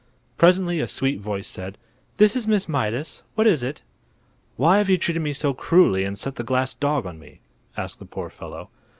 Presently a sweet voice said: "This is Miss Mydas. What is it?" "Why have you treated me so cruelly and set the glass dog on me?" asked the poor fellow.